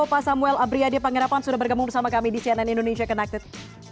pak samuel abriyadi pangerapan sudah bergabung bersama kami di cnn indonesia connected